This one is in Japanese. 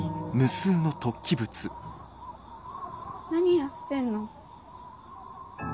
何やってんの？